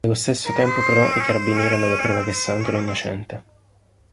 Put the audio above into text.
Nello stesso tempo però i carabinieri hanno la prova che Sandro è innocente.